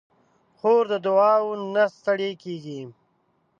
خور د دعاوو نه ستړې کېږي.